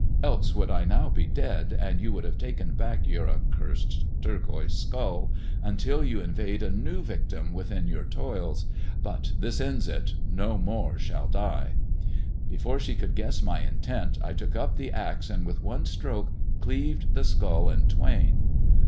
Else would I now be dead, and you would have taken back your accursed turquoise skull, until you inveigled a new victim within your toils. But this ends it : no more shall die." Before she could guess my intent, I took up the axe and with one stroke cleaved the skull in twain.